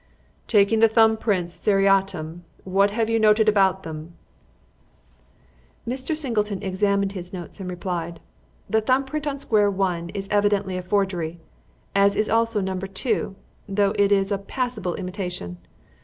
"Taking the thumb prints seriatim, what have you noted about them?" Mr. Singleton examined his notes and replied "The thumb print on square one is evidently a forgery, as is also number two, though it is a passable imitation.